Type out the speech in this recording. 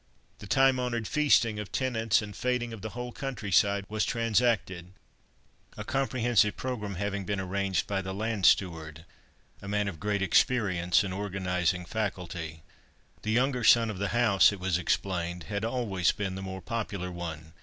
The time honoured feasting of tenants and "fêting" of the whole countryside was transacted—a comprehensive programme having been arranged by the land steward, a man of great experience and organising faculty. The younger son of the house, it was explained, had always been the more popular one.